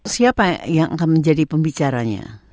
siapa yang akan menjadi pembicaranya